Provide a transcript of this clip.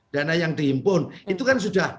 dana yang dihimpun itu kan sudah